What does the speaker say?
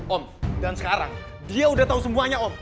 om dan sekarang dia udah tahu semuanya om